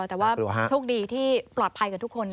แต่ว่าโชคดีที่ปลอดภัยกับทุกคน